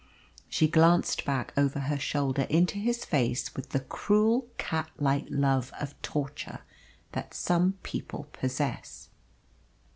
She glanced back over her shoulder into his face with the cruel cat like love of torture that some people possess.